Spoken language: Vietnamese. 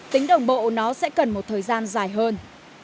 tính đồng bộ nó sẽ cần một thời gian dài hơn